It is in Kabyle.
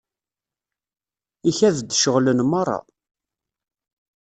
Ikad-d ceɣlen merra.